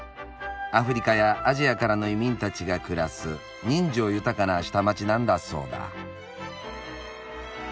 アフリカやアジアからの移民たちが暮らす人情豊かな下町なんだそうだ。